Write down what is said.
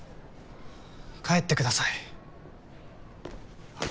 帰ってください！